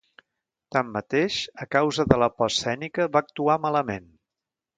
Tanmateix, a causa de la por escènica, va actuar malament.